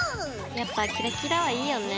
やっぱキラキラはいいよね。